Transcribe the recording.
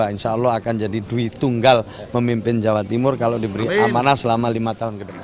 insya allah akan jadi duit tunggal memimpin jawa timur kalau diberi amanah selama lima tahun ke depan